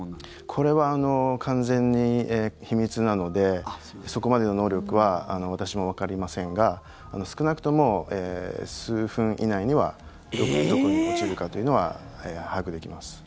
これは完全に秘密なのでそこまでの能力は私もわかりませんが少なくとも数分以内にはどこに落ちるかというのは把握できます。